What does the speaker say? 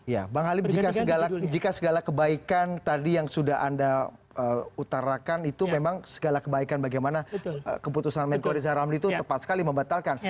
ya bang halim jika segala kebaikan tadi yang sudah anda utarakan itu memang segala kebaikan bagaimana keputusan menko riza ramli itu tepat sekali membatalkan